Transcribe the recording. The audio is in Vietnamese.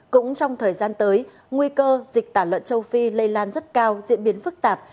cũng trong thời gian tới nguy cơ dịch tả lợn châu phi lây lan rất cao diễn biến phức tạp